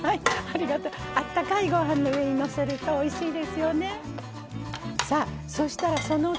あったかいご飯の上にのせるとおいしいですよね。